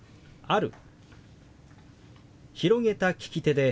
「ある」。